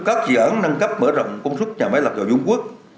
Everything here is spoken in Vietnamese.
các dự án nâng cấp mở rộng công sức nhà máy lập dầu dung quốc